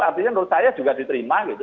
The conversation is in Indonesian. artinya menurut saya juga diterima gitu